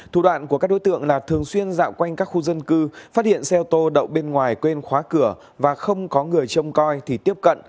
thủ đoạn của các đối tượng là thường xuyên dạo quanh các khu dân cư phát hiện xe ô tô đậu bên ngoài quên khóa cửa và không có người trông coi thì tiếp cận